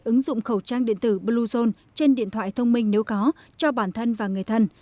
ứng dụng khẩu trang điện tử bluezone trên điện thoại thông minh nếu có cho bản thân và người thân